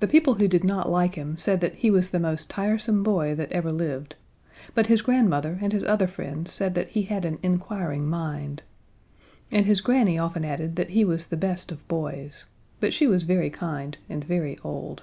The people who did not like him said that he was the most tiresome boy that ever lived, but his grandmother and his other friends said that he had an inquiring mind. And his granny often added that he was the best of boys. But she was very kind and very old.